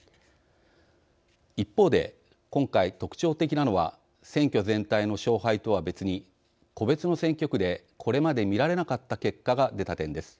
一方で今回特徴的なのは選挙全体の勝敗とは別に個別の選挙区でこれまで見られなかった結果が出た点です。